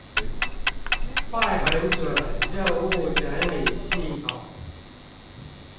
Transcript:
快狠準任務整理系統